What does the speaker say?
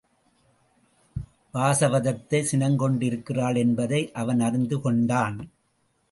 வாசவதத்தை சினங்கொண்டிருக்கிறாள் என்பதை அவனறிந்து கொண்டான்.